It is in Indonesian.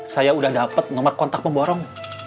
saya udah dapat nomor kontak pemborong